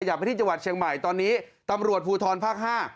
อยากไปที่จังหวัดเชียงใหม่ตอนนี้ตำรวจภูทรภาค๕